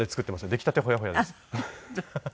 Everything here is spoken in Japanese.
出来たてほやほやです。